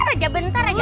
sini aja bentar aja